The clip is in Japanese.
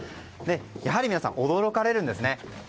やはり皆さん驚かれるんですね。